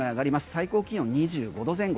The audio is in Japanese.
最高気温２５度前後。